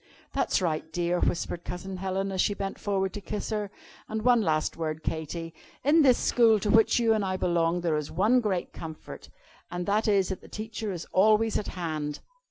"That's right, dear," whispered Cousin Helen, as she bent forward to kiss her. "And one last word, Katy. In this school, to which you and I belong, there is one great comfort, and that is that the Teacher is always at hand.